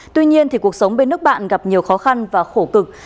tuy nhiên cuộc sống bên nước bạn gặp nhiều khó khăn và khổ cực